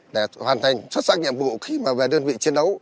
để hoàn thành xuất sắc nhiệm vụ khi mà về đơn vị chiến đấu